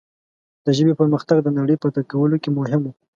د ژبې پرمختګ د نړۍ فتح کولو کې مهم و.